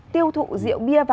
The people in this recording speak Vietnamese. tiêu thụ rượu bia